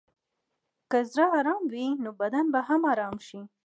که زړه ارام وي، نو بدن به هم ارام شي.